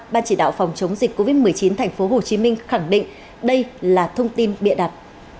ban chỉ đạo phòng chống dịch covid một mươi chín tp hcm khẳng định đây là thông tin bịa đặt